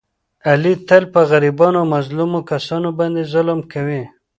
علي تل په غریبانو او مظلومو کسانو باندې ظلم کوي.